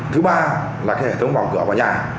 thứ ba là cái hệ thống bỏng cửa vào nhà